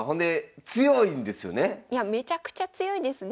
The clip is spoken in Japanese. めちゃくちゃ強いですね。